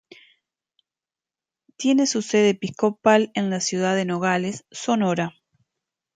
Tiene su sede episcopal en la ciudad de Nogales, Sonora.